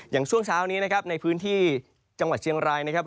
ช่วงเช้านี้นะครับในพื้นที่จังหวัดเชียงรายนะครับ